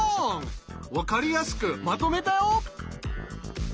分かりやすくまとめたよ。